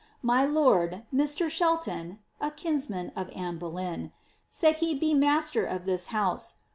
"My lord, Mr. Shclton (a kinsman of Anne Boleyn) saith *he be master of this house.'